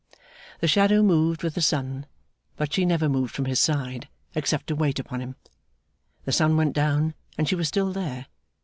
The shadow moved with the sun, but she never moved from his side, except to wait upon him. The sun went down and she was still there.